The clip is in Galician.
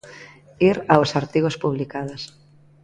Ir aos artigos publicados.